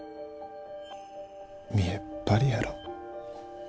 見えっ張りやろ。